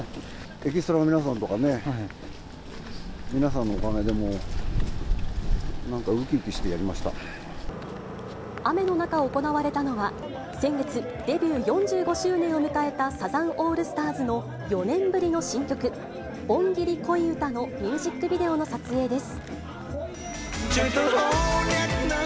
エキストラの皆さんとかね、皆さんのおかげでもうなんかうき雨の中、行われたのは、先月、デビュー４５周年を迎えたサザンオールスターズの４年ぶりの新曲、盆ギリ恋歌のミュージックビデオの撮影です。